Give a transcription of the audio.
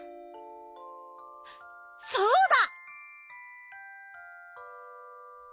そうだ！